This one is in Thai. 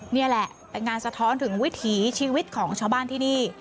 นี่แหละเป็นงานสะท้อนถึงวิถีชีวิตของชาวบ้านที่นี่